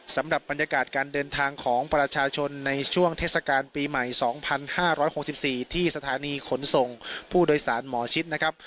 สำหรับบรรยากาศการเดินทางของประชาชนในช่วงเทศกาลปีใหม่๒๕๖๔ที่สถานีขนส่งผู้โดยสารหมอชิดนะครับ